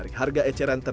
sini di mendala sini